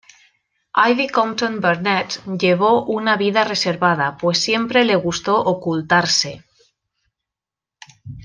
Ivy Compton-Burnett llevó una vida reservada, pues siempre le gustó ocultarse.